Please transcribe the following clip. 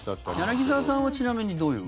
柳澤さんはちなみに、どういう？